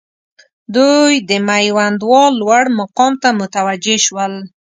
دوی د میوندوال لوړ مقام ته متوجه شول.